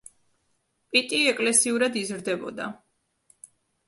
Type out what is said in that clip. პიტი ეკლესიურად იზრდებოდა.